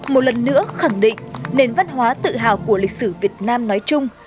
một lần nữa khẳng định nền văn hóa tự hào của lịch sử việt nam nói chung